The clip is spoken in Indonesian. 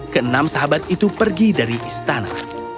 keenam sahabat itu pergi dari istana